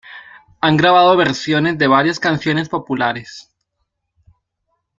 Han grabado versiones de varias canciones populares.